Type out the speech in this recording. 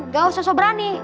gak usah sobrani